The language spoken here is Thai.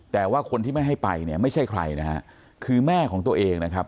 แต่ว่าคนที่ไม่ให้ไปเนี่ยไม่ใช่ใครนะฮะคือแม่ของตัวเองนะครับ